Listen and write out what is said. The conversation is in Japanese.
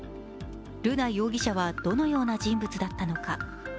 瑠奈容疑者はどのような人物だったのか。